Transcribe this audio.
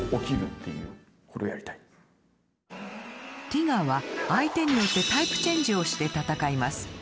ティガは相手によってタイプチェンジをして戦います。